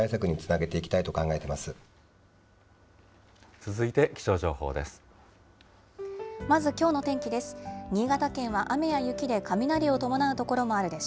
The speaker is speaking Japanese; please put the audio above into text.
続いて気象情報です。